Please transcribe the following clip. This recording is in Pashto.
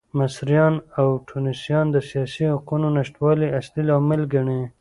مصریان او ټونسیان د سیاسي حقونو نشتوالی اصلي لامل ګڼي.